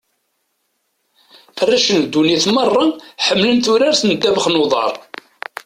Arrac n ddunit merra, ḥemmlen turart n ddabax n uḍar.